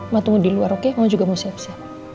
mau tunggu di luar oke kamu juga mau siap siap